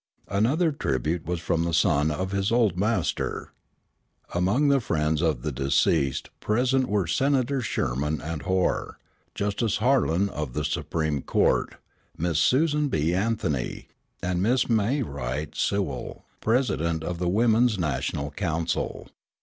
Another tribute was from the son of his old master. Among the friends of the deceased present were Senators Sherman and Hoar, Justice Harlan of the Supreme Court, Miss Susan B. Anthony, and Miss May Wright Sewall, president of the Women's National Council.